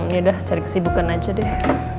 yaudah cari kesibukan aja deh